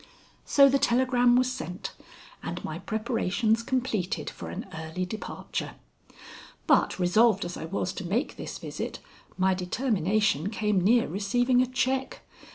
So the telegram was sent, and my preparations completed for an early departure. But, resolved as I was to make this visit, my determination came near receiving a check.